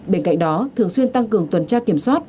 bên cạnh đó thường xuyên tăng cường tuần tra kiểm soát